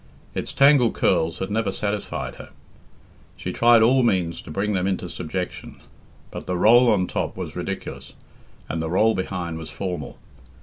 Its tangled curls had never satisfied her. She tried all means to bring them into subjection; but the roll on top was ridiculous, and the roll behind was formal.